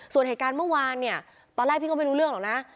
ส่วนเหตุการณ์เมื่อวานเนี่ยตอนแรกพี่ก็ไม่รู้เรื่องหรอกนะ